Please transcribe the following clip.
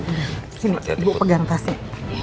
ibu pegang tasnya